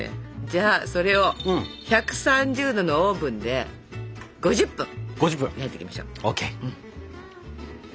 じゃあそれを１３０℃のオーブンで５０分焼いていきましょう。